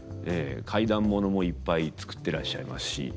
怪談物もいっぱい作ってらっしゃいますし。